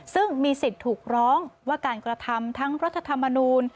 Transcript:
ซึ่งมีสิทธิ์ถูกร้องว่าการกระทำทั้งรัฐธรรมนูล